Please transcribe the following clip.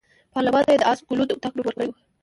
پارلمان ته یې د آس ګلو د اطاق نوم ورکړی وو.